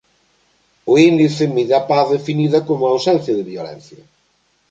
O índice mide a paz definida como a ausencia de violencia.